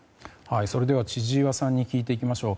それでは、千々岩さんに聞いていきましょう。